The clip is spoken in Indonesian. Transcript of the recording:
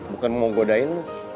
bukan mau godain lo